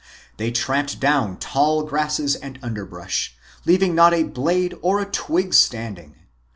They tramped down tall grasses and underbrush, leaving not a blade or a twig standing.